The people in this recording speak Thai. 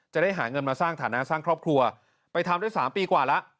จะได้หาเงินมาสร้างฐานะสร้างครอบครัวไปทำได้๓ปีกว่าแล้ว